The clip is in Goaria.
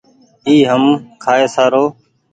اي هم کآئي سارو ۔